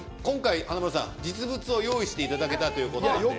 今回華丸さん実物を用意していただけたということなんで。